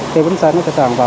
cái bánh xanh nó sẽ tràn vào